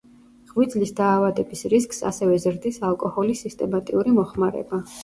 ღვიძლის დაავადების რისკს ასევე ზრდის ალკოჰოლის სისტემატიური მოხმარება.